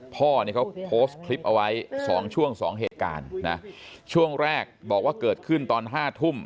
พ่อเนี่ยเขาโพสต์คลิปเอาไว้สองช่วงสองเหตุการณ์นะช่วงแรกบอกว่าเกิดขึ้นตอนห้าทุ่ม